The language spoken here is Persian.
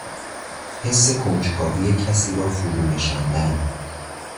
حس کنجکاوی کسی را فرونشاندن